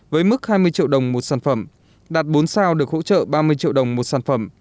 với mức hai mươi triệu đồng một sản phẩm đạt bốn sao được hỗ trợ ba mươi triệu đồng một sản phẩm